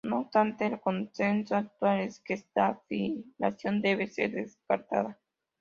No obstante, el consenso actual es que esta filiación debe ser descartada.